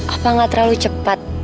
apa gak terlalu cepat